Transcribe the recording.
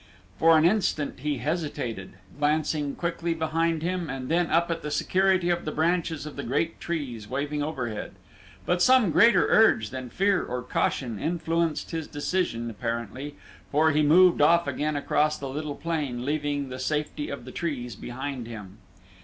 For an instant he hesitated, glancing quickly behind him and then up at the security of the branches of the great trees waving overhead, but some greater urge than fear or caution influenced his decision apparently, for he moved off again across the little plain leaving the safety of the trees behind him.